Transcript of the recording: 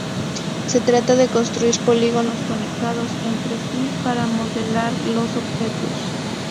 Se trata de construir polígonos conectados entre sí para modelar los objetos.